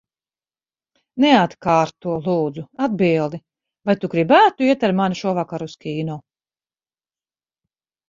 Neatkārto, lūdzu, atbildi. Vai tu gribētu iet ar mani šovakar uz kino?